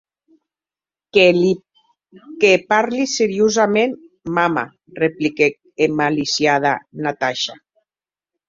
Que parli seriosaments, mama, repliquèc emmaliciada Natasha.